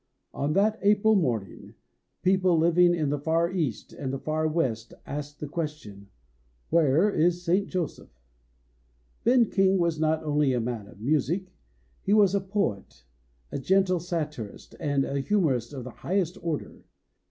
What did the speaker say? On that April morning, people living in the far East and the far West asked the question: "Where is St. Joseph ? Ben King was not only a man of music ; he was a poet, a gentle satirist and a humorist of the highest order.